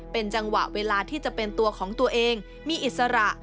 เป็นจังหวะเวลาที่จะเป็นตัวของตัวเองมีอิสระ